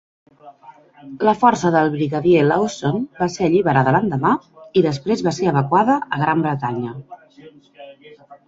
La força del brigadier Lawson va ser alliberada l'endemà i després va ser evacuada a Gran Bretanya.